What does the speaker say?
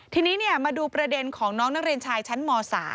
ทีนี้มาดูประเด็นของน้องนักเรียนชายชั้นม๓